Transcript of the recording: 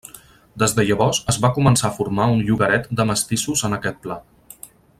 Des de llavors, es va començar a formar un llogaret de mestissos en aquest pla.